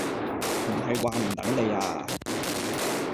唔係話唔等你啊